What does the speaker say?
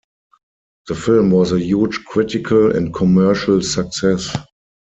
The film was a huge critical and commercial success.